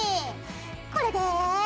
これで。